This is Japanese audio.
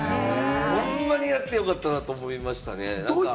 ほんまにやってよかったなと思いましたね。